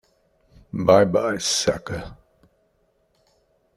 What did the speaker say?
Bye-bye, sucker!